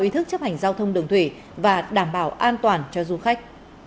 ý thức chấp hành giao thông đường thủy và đảm bảo an toàn cho du khách